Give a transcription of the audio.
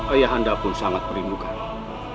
ayah anda pun sangat merindukan